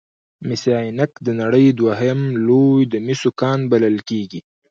مس عینک د نړۍ دویم لوی د مسو کان بلل کیږي.